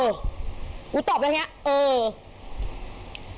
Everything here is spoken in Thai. กูตอบอย่างนี้เออ